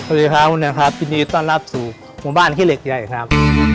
สวัสดีครับยินดีต้อนรับสู่หมู่บ้านขี้เหล็กใหญ่ครับ